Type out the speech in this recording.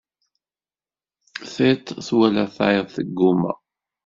Tiṭ twala tayeḍ teggumma.